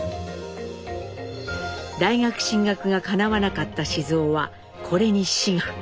大学進学がかなわなかった雄はこれに志願。